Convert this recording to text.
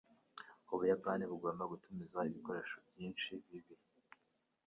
Ubuyapani bugomba gutumiza ibikoresho byinshi bibisi.